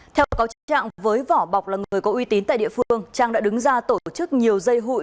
theo cáo trạng với vỏ bọc là người có uy tín tại địa phương trang đã đứng ra tổ chức nhiều dây hụi